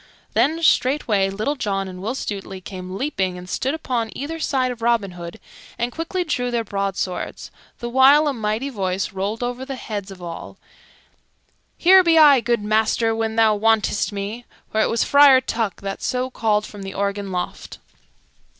Then straightway Little John and Will Stutely came leaping and stood upon either side of Robin Hood, and quickly drew their broadswords, the while a mighty voice rolled over the heads of all, "Here be I, good master, when thou wantest me;" for it was Friar Tuck that so called from the organ loft.